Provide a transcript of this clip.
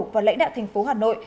và lãnh đạo thành phố hà nội